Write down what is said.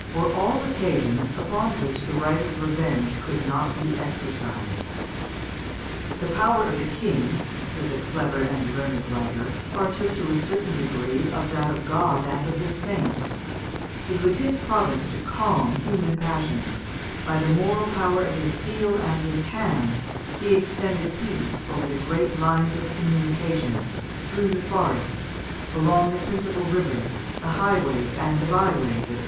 were all occasions upon which the right of revenge could not be exercised. "The power of the King," says a clever and learned writer, "partook to a certain degree of that of God and of the Saints; it was his province to calm human passions; by the moral power of his seal and his hand he extended peace over all the great lines of communication, through the forests, along the principal rivers, the highways and the byways, &c.